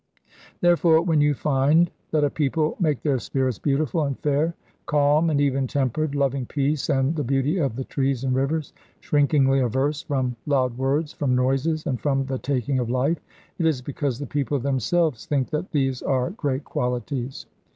Therefore, when you find that a people make their spirits beautiful and fair, calm and even tempered, loving peace and the beauty of the trees and rivers, shrinkingly averse from loud words, from noises, and from the taking of life, it is because the people themselves think that these are great qualities.